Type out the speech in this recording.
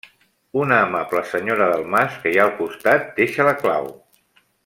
Una amable senyora del mas que hi ha al costat deixa la clau.